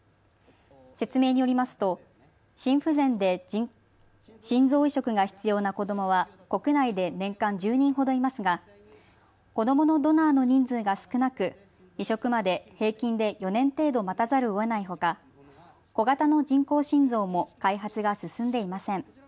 説明によりますと心不全で心臓移植が必要な子どもは国内で年間１０人ほどいますが子どものドナーの人数が少なく移植まで平均で４年程度待たざるをえないほか小型の人工心臓も開発が進んでいません。